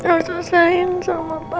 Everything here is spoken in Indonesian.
aku selesain sama papa